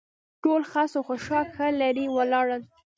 ټول خس او خاشاک ښه لرې ولاړل.